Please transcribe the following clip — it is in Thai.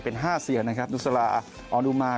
เป็น๕เสียร์นะครับนุษยาลาออนุมาร์